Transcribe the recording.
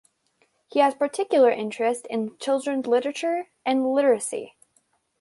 He has a particular interest in children's literature and literacy.